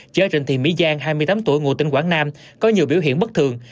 chở trên thị mỹ giang hai mươi tám tuổi ngủ tỉnh quảng nam có nhiều biểu hiện bất thường